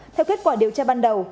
theo kết quả điều tra ban đầu